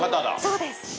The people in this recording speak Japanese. そうです。